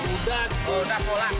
udah udah pola